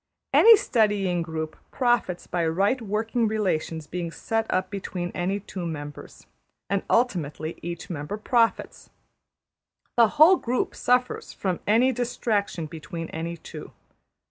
'' Any studying group profits by right working relations being set up between any two members; and ultimately each member profits. The whole group suffers from any distraction between any two.